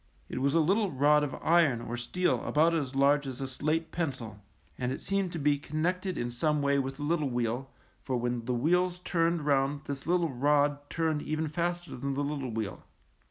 It was a lit tle rod of iron or steel about as large as a slate pencil, and it seemed to be connected in some way with the little wheel, for when the wheels turned round this little rod turned even faster than the little wheel.